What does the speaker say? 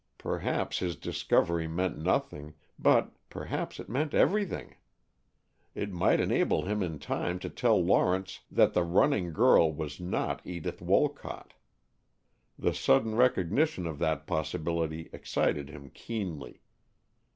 Perhaps his discovery meant nothing, but perhaps it meant everything. It might enable him in time to tell Lawrence that the running girl was not Edith Wolcott. The sudden recognition of that possibility excited him keenly.